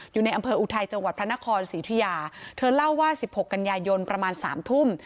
อยู่ในอำเภออุทัยจังหวัดพระนครศรีอุทิยาเธอเล่าว่าสิบหกกันยายนประมาณสามทุ่ม